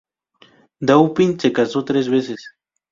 Dauphin se casó tres veces.